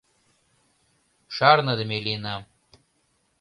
— Шарныдыме лийынам.